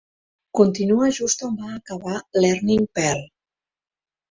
Continua just on va acabar "Learning Perl".